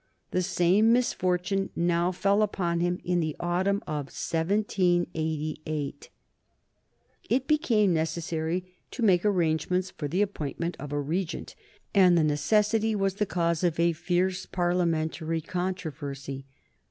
The same misfortune now fell upon him in the autumn of 1788. It became necessary to make arrangements for the appointment of a regent, and the necessity was the cause of a fierce Parliamentary controversy.